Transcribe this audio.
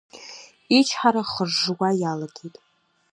Ичҳара хыжжуа иалагеит.